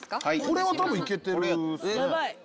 これは多分いけてるっすね。